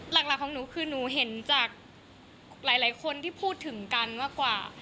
หลักของหนูคือหนูเห็นจากหลายคนที่พูดถึงกันมากกว่า